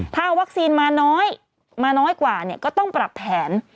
ถ้าวัคซีนมาน้อยมาน้อยกว่าก็ต้องปรับแผน